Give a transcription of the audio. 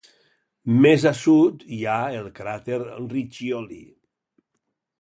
Més a sud hi ha el cràter Riccioli.